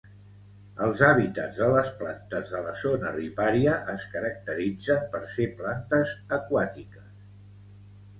Els hàbitats de les plantes de la zona ripària es caracteritzen per ser plantes aquàtiques.